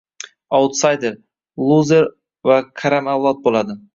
autsayder, «luzer» va qaram avlod bo‘ladi.